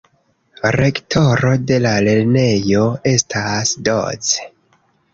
Rektoro de la lernejo estas Doc.